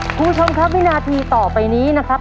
คุณผู้ชมครับวินาทีต่อไปนี้นะครับ